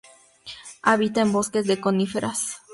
Habita en bosques de coníferas.